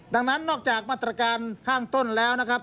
ดังนั้นนอกจากมาตรการข้างต้นแล้วนะครับ